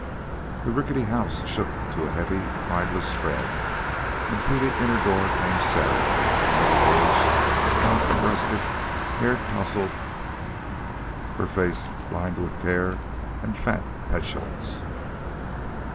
The rickety house shook to a heavy, prideless tread, and through the inner door came Sarah, middle aged, lop breasted, hair tousled, her face lined with care and fat petulance.